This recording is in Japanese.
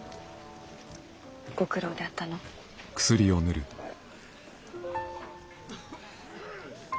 ご苦労であったのう。